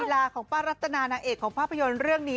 ลาของป้ารัตนานางเอกของภาพยนตร์เรื่องนี้